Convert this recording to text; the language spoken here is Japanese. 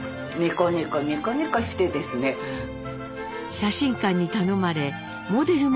写真館に頼まれモデルも経験。